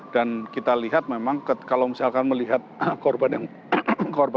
dan kita lihat memang kalau misalkan melihat korban yang berada di luar